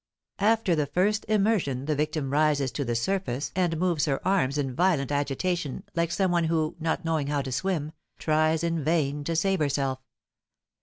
After the first immersion the victim rises to the surface and moves her arms in violent agitation like some one who, not knowing how to swim, tries in vain to save herself.